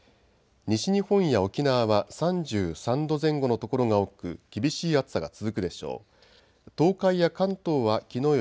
西日本や沖縄は３３度前後の所が多く厳しい暑さが続くでしょう。